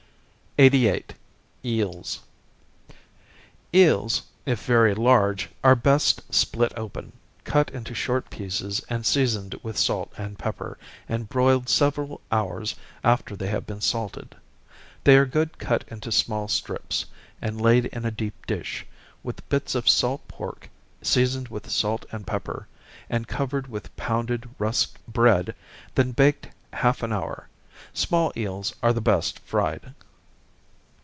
88. Eels. Eels, if very large, are best split open, cut into short pieces, and seasoned with salt and pepper, and broiled several hours after they have been salted. They are good cut into small strips, and laid in a deep dish, with bits of salt pork, seasoned with salt and pepper, and covered with pounded rusked bread, then baked half an hour. Small eels are the best fried.